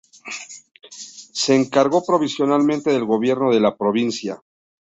Se encargó provisionalmente del gobierno de la provincia.